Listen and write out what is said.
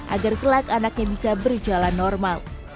agar kelak anaknya bisa berjalan normal